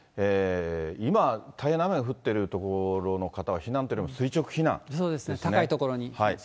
今、大変な雨が降ってる所の方は、そうですね、高い所に。